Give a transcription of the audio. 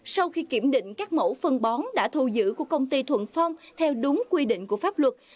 sau khi kiểm định các mẫu phân bón đã thu giữ của công ty thuận phong theo đúng quy định của pháp luật